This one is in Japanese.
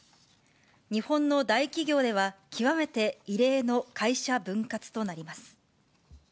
日本の大企業では、極めて異例の会社分割となります。